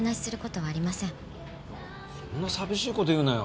そんな寂しい事言うなよ。